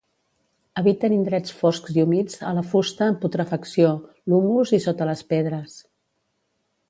Habiten indrets foscs i humits, a la fusta en putrefacció, l'humus i sota les pedres.